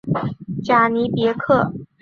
贾尼别克。